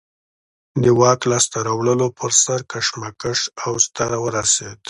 د واک لاسته راوړلو پر سر کشمکش اوج ته ورسېد